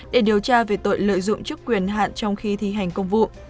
để điều tra về tội lợi dụng chức quyền hạn trong khi thi hành công vụ